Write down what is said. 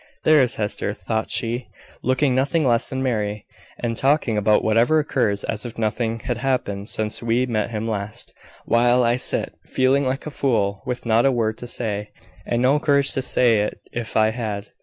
"There is Hester," thought she, "looking nothing less than merry, and talking about whatever occurs, as if nothing had happened since we met him last; while I sit, feeling like a fool, with not a word to say, and no courage to say it if I had.